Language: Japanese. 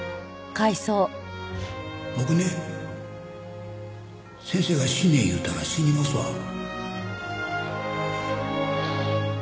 僕ね先生が死ね言うたら死にますわ。